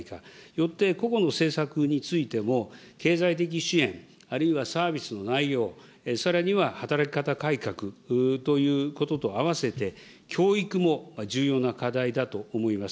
よって、個々の政策についても、経済的支援、あるいはサービスの内容、さらには働き方改革ということとあわせて、教育も重要な課題だと思います。